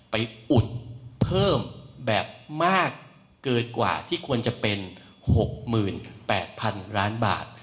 อุดเพิ่มแบบมากเกินกว่าที่ควรจะเป็น๖๘๐๐๐ล้านบาท